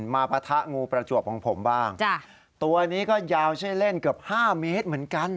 มาประทะงูประจวบของผมบ้างก็ยาวเฉยเล่นเกือบ๕เมตรเหมือนกัน